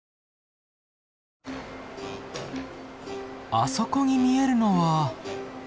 あそこに見えるのは。